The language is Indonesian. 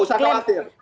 gak usah khawatir